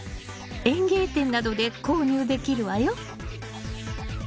園芸店などで購入できるわよ。